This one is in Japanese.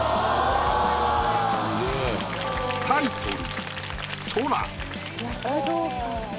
タイトル。